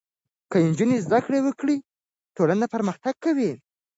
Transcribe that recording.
که نجونې زده کړې وکړي ټولنه پرمختګ کوي.